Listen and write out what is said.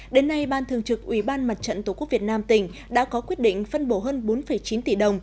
đến nay ban thường trực ủy ban mặt trận tổ quốc việt nam tỉnh đã có quyết định phân bổ hơn bốn chín tỷ đồng